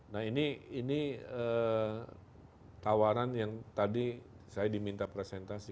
nah ini tawaran yang tadi saya diminta presentasi